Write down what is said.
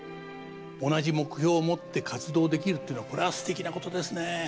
同じ目標を持って活動できるっていうのはこれはすてきなことですね。